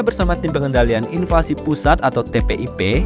bersama tim pengendalian invasi pusat atau tpip